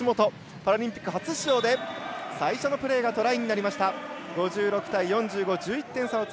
パラリンピック初出場で最初のプレーがトライになりました。